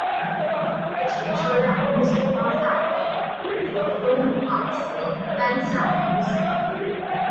目前车辆通行方向为由东往西单向通行。